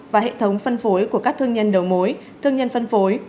và hệ thống phân phối của các thương nhân đầu mối thương nhân phân phối